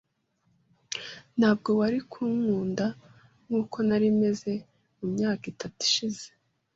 Ntabwo wari kunkunda nkuko nari meze mu myaka itatu ishize.